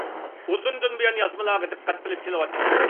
ئۇزۇندىن بۇيان، يازمىلارغا دىققەت قىلىپ كېلىۋاتىمەن.